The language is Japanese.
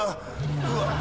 うわ。